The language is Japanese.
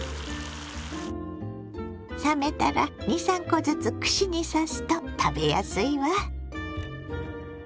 冷めたら２３コずつ串に刺すと食べやすいわ。